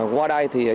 qua đây thì chúng tôi